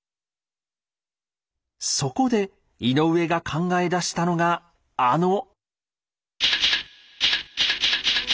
そこで井上が考え出したのがあの。